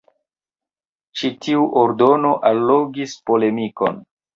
Ĉi tiu ordono allogis polemikon.